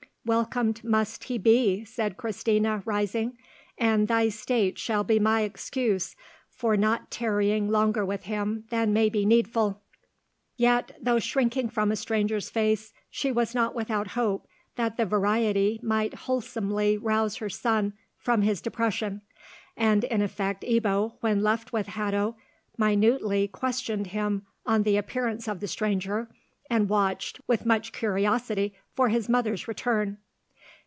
"Welcomed must he be," said Christina, rising, "and thy state shall be my excuse for not tarrying longer with him than may be needful." Yet, though shrinking from a stranger's face, she was not without hope that the variety might wholesomely rouse her son from his depression, and in effect Ebbo, when left with Hatto, minutely questioned him on the appearance of the stranger, and watched, with much curiosity, for his mother's return.